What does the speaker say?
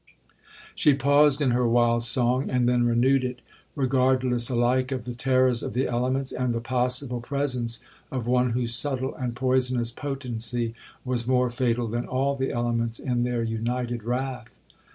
'She paused in her wild song, and then renewed it, regardless alike of the terrors of the elements, and the possible presence of one whose subtle and poisonous potency was more fatal than all the elements in their united wrath.